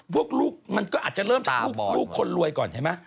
ลูกมันก็อาจจะเริ่มจากลูกคนรวยก่อนเห็นไหม